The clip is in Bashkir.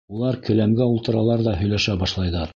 Улар келәмгә ултыралар ҙа һөйләшә башлайҙар.